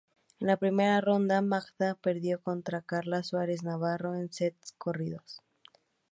En la primera ronda, Magda perdió contra Carla Suárez Navarro en sets corridos.